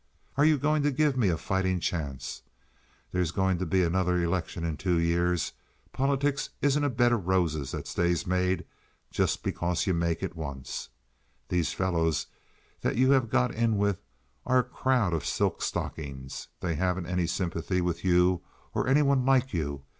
Are you going to give me a fighting chance? There's going to be another election in two years. Politics isn't a bed of roses that stays made just because you make it once. These fellows that you have got in with are a crowd of silk stockings. They haven't any sympathy with you or any one like you.